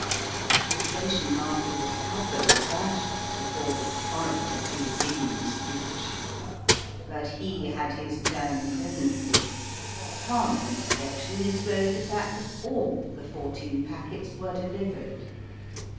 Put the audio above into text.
The station master was properly abashed before the torrent of indignant speech. But he had his turn presently. Calmer inspection disclosed the fact that all the fourteen packets were delivered.